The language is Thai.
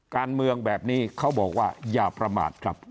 การเมืองแบบนี้เขาบอกว่าอย่าประมาทครับ